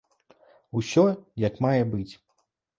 Усё як мае быць!